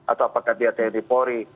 atau apakah dia tni polri